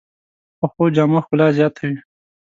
پخو جامو ښکلا زیاته وي